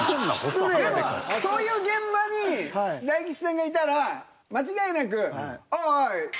そういう現場に大吉さんがいたら間違いなく。